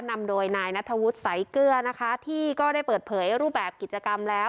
นำโดยนายนัทธวุฒิสายเกลือนะคะที่ก็ได้เปิดเผยรูปแบบกิจกรรมแล้ว